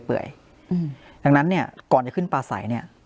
เพราะฉะนั้นเนี่ยก่อนจะขึ้นปลาสัยเนี่ย